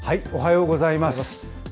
おはようございます。